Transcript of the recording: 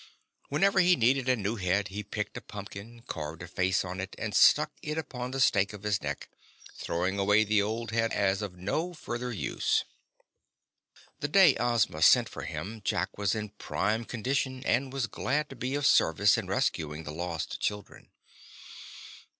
Whenever he needed a new head he picked a pumpkin, carved a face on it and stuck it upon the stake of his neck, throwing away the old head as of no further use. The day Ozma sent for him Jack was in prime condition and was glad to be of service in rescuing the lost children.